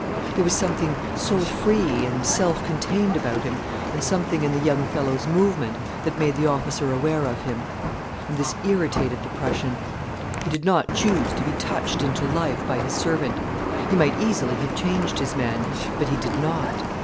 There was something so free and self contained about him, and something in the young fellow's movement, that made the officer aware of him. And this irritated the Prussian. He did not choose to be touched into life by his servant. He might easily have changed his man, but he did not.